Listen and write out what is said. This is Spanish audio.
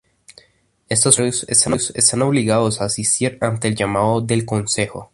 Estos funcionarios están obligados a asistir ante el llamado del Consejo.